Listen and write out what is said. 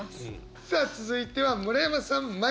さあ続いては村山さんまいりましょう。